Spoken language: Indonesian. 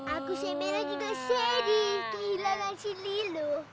aku sebenernya juga sedih kehilangan si lilo